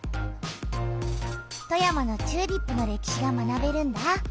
富山のチューリップの歴史が学べるんだ！